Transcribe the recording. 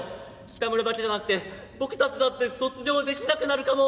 キタムラだけじゃなくて僕たちだって卒業できなくなるかも」。